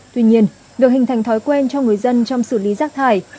tuy nhiên việc hình thành thói quen cho người dân trong xử lý rác thải